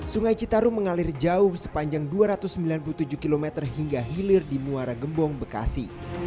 sungai citarum mengalir jauh sepanjang dua ratus sembilan puluh tujuh km hingga hilir di muara gembong bekasi